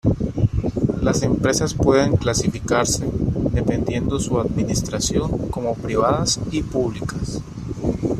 Las empresas pueden clasificarse, dependiendo su Administración, como Privadas y Públicas.